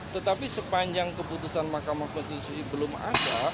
tetapi sepanjang keputusan mahkamah konstitusi belum ada